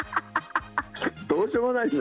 どうしようもないね。